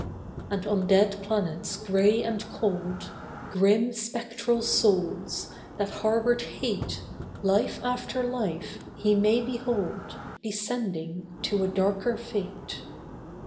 And on dead planets grey and cold Grim spectral souls, that harboured hate Life after life, he may behold Descending to a darker fate.